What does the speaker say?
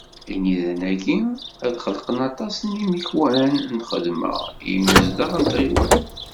Inidan-agi, ad d-xelqen aṭas n yimekwan n lxedma, i yimezdaɣ n tɣiwant.